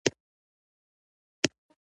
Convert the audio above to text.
لمسی له قرآنه سره اشنا کېږي.